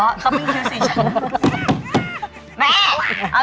ขี้มิวสี่ชั้น